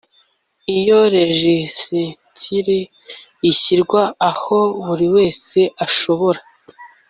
Iyo rejisitiri ishyirwa aho buri wese ashobora